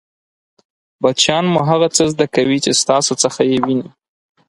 بچیان مو هغه څه ښه زده کوي چې ستاسو څخه يې ویني!